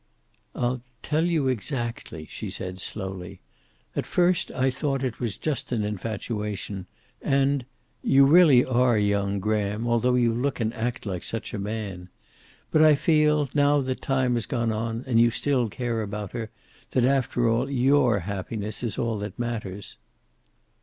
"I'll tell you exactly," she said, slowly. "At first I thought it was just an infatuation. And you really are young, Graham, although you look and act like such a man. But I feel, now that time has gone on and you still care about her, that after all, your happiness is all that matters."